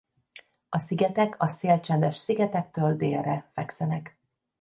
A szigetek a Szélcsendes-szigetektől délre fekszenek.